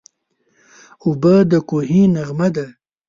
اوبه د کوهي نغمه ده.